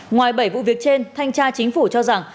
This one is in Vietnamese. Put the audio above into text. ngoài bảy vụ việc trên thanh tra chính phủ cho rằng